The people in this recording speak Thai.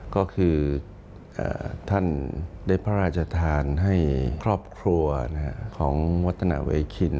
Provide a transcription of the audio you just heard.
ก็คือท่านได้พระราชทานให้ครอบครัวของวัฒนาเวคิน